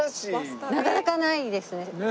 なかなかないですね。